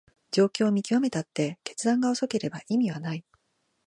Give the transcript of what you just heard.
状況を見極めたって決断が遅ければ意味はない